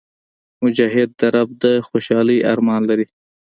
مجاهد د رب د خوشحالۍ ارمان لري.